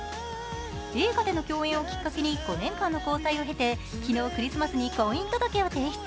映画での共演をきっかけに５年間の交際を経て昨日、クリスマスに婚姻届を提出。